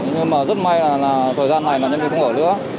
nhưng mà rất may là thời gian này là nhân viên không ở nữa